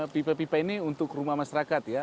pipa pipa ini untuk rumah masyarakat ya